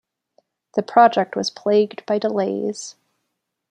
The project was plagued by delays.